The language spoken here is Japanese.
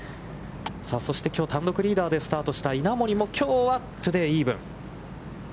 そして、きょう単独リーダーでスタートした稲森もきょうはトゥデーイーブン。